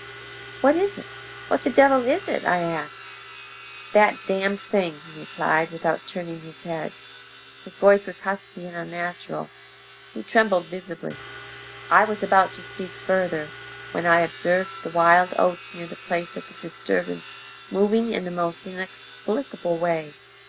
"'What is it? What the devil is it?' I asked. "'That Damned Thing!' he replied, without turning his head. His voice was husky and unnatural. He trembled visibly. "I was about to speak further, when I observed the wild oats near the place of the disturbance moving in the most inexplicable way.